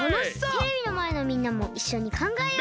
テレビのまえのみんなもいっしょにかんがえよう！